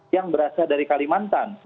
yang berasal dari kalimantan